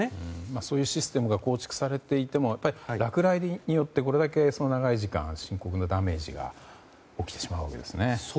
そういうシステムが構築されていても落雷によってこれだけ長い時間深刻なダメージが起きてしまうわけですね。